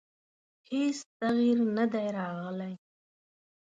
هېڅ تغیر نه دی راغلی.